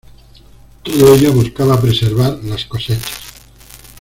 Todo ello buscaba preservar las cosechas.